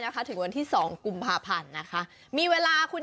ก่วยตาก